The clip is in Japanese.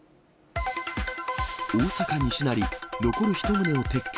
大阪・西成、残る１棟を撤去。